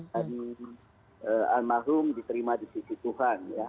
dan al mahrum diterima di sisi tuhan